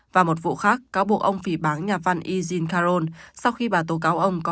và một vụ khác cáo buộc ông phỉ báng nhà văn e jin caron sau khi bà tố cáo ông có